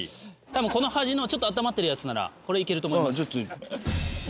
多分この端のちょっとあったまってるやつならこれいけると思います